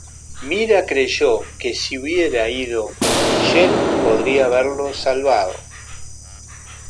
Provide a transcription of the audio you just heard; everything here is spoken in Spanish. Myra creyó que si hubiera ido con Michael podría haberlo salvado.